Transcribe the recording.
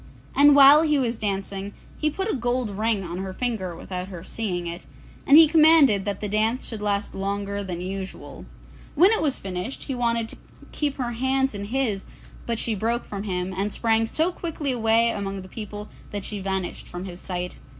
And while he was dancing, he put a gold ring on her finger without her seeing it, and he commanded that the dance should last longer than usual. When it was finished he wanted to keep her hands in his, but she broke from him, and sprang so quickly away among the people that she vanished from his sight.